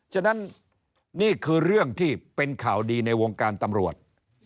ฉะนั้นนี่คือเรื่องที่เป็นข่าวดีในวงการตำรวจ